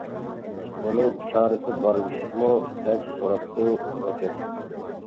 «بۇنىڭ چارىسى بارمۇ» دەپ سوراپتۇ ۋەزىر.